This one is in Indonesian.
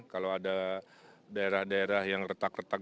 kalau ada daerah daerah yang retak retak